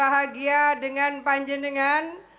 terbahagia dengan panjangan